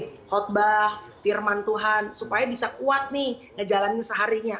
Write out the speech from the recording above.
khutbah firman tuhan supaya bisa kuat nih ngejalanin seharinya